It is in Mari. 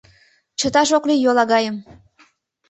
Чыташ ок лий йолагайым!